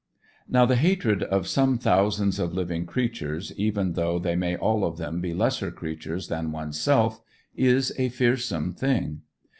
Now the hatred of some thousands of living creatures, even though they may all of them be lesser creatures than oneself, is a fearsome thing.